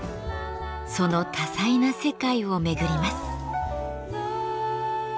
その多彩な世界を巡ります。